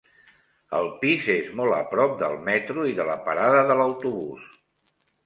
El pis és molt a prop del metro i de la parada de l'autobús.